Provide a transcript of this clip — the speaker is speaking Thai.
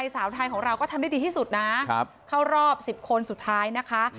สาวไทยของเราก็ทำได้ดีที่สุดนะเข้ารอบ๑๐คนสุดท้ายนะคะ